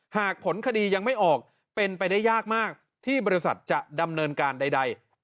หากผลคดียังไม่ออกเป็นไปได้ยากมากที่บริษัทจะดำเนินการใด